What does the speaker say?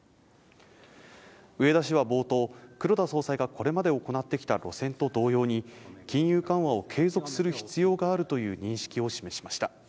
植田氏は冒頭、黒田総裁がこれまで行ってきた路線と同様に、金融緩和を継続する必要があるという認識を示しました。